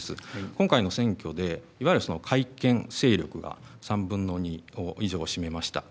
今回の選挙でいわゆる改憲勢力が３分の２以上を占めました。